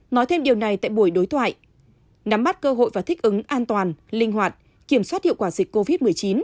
nói thêm điều này tại buổi đối thoại nắm bắt cơ hội và thích ứng an toàn linh hoạt kiểm soát hiệu quả dịch covid một mươi chín